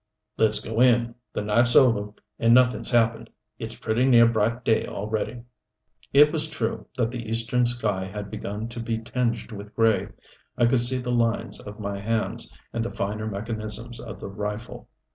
"Let's go in. The night's over and nothing's happened. It's pretty near bright day already." It was true that the eastern sky had begun to be tinged with gray. I could see the lines of my hands and the finer mechanisms of the rifle.